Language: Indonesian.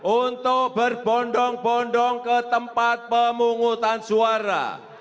untuk berbondong bondong ke tempat pemungutan suara